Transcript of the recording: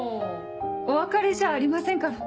お別れじゃありませんから。